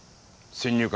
先入観？